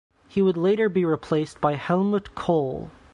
He would be later replaced by Helmut Kohl.